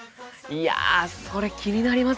いやそれ気になりますよね。